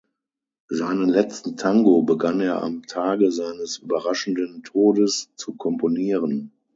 Seinen letzten Tango begann er am Tage seines überraschenden Todes zu komponieren.